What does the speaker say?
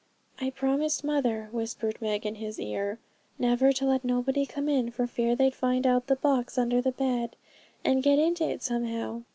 'I promised mother,' whispered Meg in his ear, 'never to let nobody come in, for fear they'd find out the box under the bed, and get into it somehow.